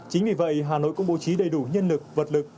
chính vì vậy hà nội cũng bố trí đầy đủ nhân lực vật lực